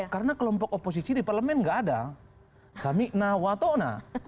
karena kelompok oposisi di dpr tidak ada